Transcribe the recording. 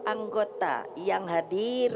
anggota yang hadir